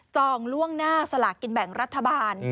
องล่วงหน้าสลากกินแบ่งรัฐบาล